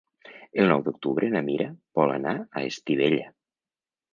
El nou d'octubre na Mira vol anar a Estivella.